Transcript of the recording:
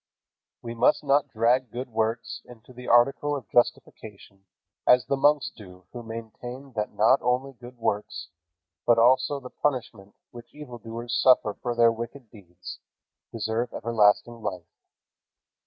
We must not drag good works into the article of justification as the monks do who maintain that not only good works, but also the punishment which evildoers suffer for their wicked deeds, deserve everlasting life.